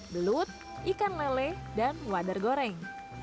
belut ikan lele dan wadar goreng